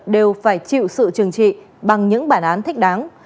đều phải chịu sự trừng trị bằng những bản án thích đáng